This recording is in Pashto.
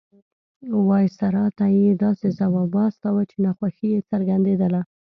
وایسرا ته یې داسې ځواب واستاوه چې ناخوښي یې څرګندېدله.